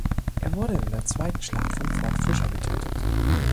Er wurde in der zweiten Schlacht von Fort Fisher getötet.